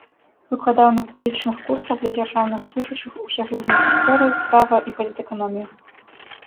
Выкладаў на публічных курсах для дзяржаўных служачых усеагульную гісторыю, права і палітэканомію.